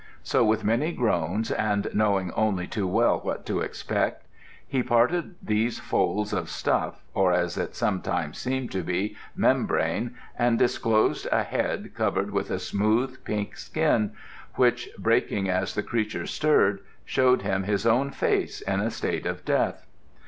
So with many groans, and knowing only too well what to expect, he parted these folds of stuff, or, as it sometimes seemed to be, membrane, and disclosed a head covered with a smooth pink skin, which breaking as the creature stirred, showed him his own face in a state of death.